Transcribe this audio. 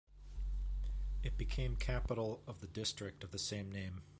It became capital of the district of the same name.